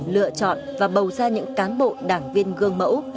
lựa chọn và bầu ra những cán bộ đảng viên gương mẫu